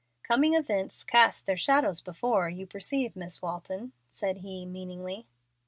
"'Coming events cast their shadows before,' you perceive, Miss Walton," said he, meaningly.